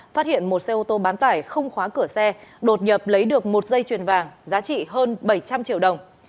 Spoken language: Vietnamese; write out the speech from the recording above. phát hiện một xe ô tô bán tải không khóa cửa xe đột nhập lấy được một dây chuyền vàng giá trị hơn bảy trăm linh triệu đồng